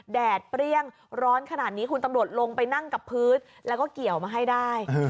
แดดเปรี้ยงร้อนขนาดนี้คุณตำรวจลงไปนั่งกับพื้นแล้วก็เกี่ยวมาให้ได้